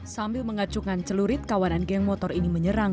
sambil mengacungkan celurit kawanan geng motor ini menyerang